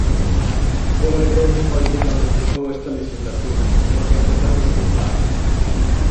Eu alegreime moito cando empezou esta lexislatura, porque empezamos cun pacto.